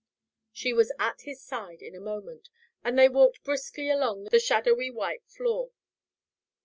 She was at his side in a moment, and they walked briskly along the shadowy white floor.